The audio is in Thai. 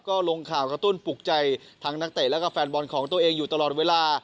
ก็ลงข่าวกระตุ้นปลุกใจทั้งนักเตะแล้วก็แฟนบอลของตัวเองอยู่ตลอดเวลา